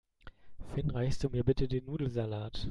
Finn, reichst du mir bitte den Nudelsalat?